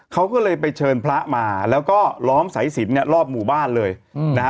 เขาก็เลยไปเชิญพระมาแล้วก็ล้อมสายสินเนี่ยรอบหมู่บ้านเลยนะฮะ